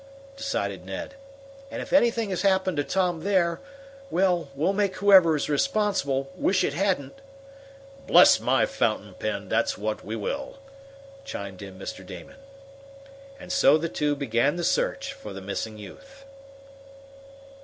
decided Ned. "And if anything has happened to Tom there well, we'll make whoever is responsible wish it hadn't!" "Bless my fountain pen, but that's what we will!" chimed in Mr. Damon. And so the two began the search for the missing youth.